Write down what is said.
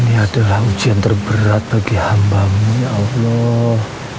ini adalah ujian terberat bagi hambamu ya allah